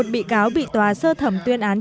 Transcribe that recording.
một mươi một bị cáo bị tòa sơ thẩm